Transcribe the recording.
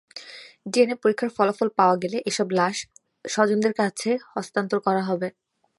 DNA পরীক্ষার ফলাফল পাওয়া গেলে এসব লাশ স্বজনদের কাছে হস্তান্তর করা হবে।